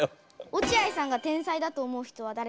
落合さんが天才だと思う人は誰ですか？